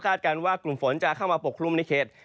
การว่ากลุ่มฝนจะเข้ามาปกคลุมในเขต